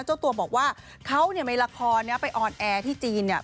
เจ้าตัวบอกว่าเขาในละครไปออนแอร์ที่จีน